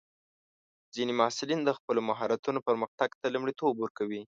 ځینې محصلین د خپلو مهارتونو پرمختګ ته لومړیتوب ورکوي.